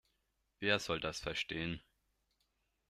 Wer soll das verstehen?